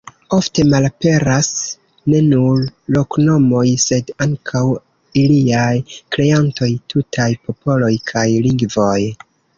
Ofte malaperas ne nur loknomoj, sed ankaŭ iliaj kreantoj, tutaj popoloj kaj lingvoj.